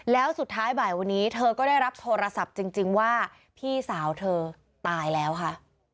แล้วสุดท้ายบ่ายวันนี้เธอก็ได้รับโทรศัพท์จริงว่าพี่สาวเธอตายแล้วค่ะ